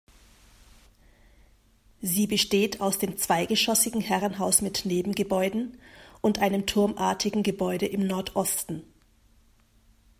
Sie besteht aus dem zweigeschossigen Herrenhaus mit Nebengebäuden und einem turmartigen Gebäude im Nordosten.